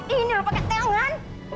ini lu pakai tangan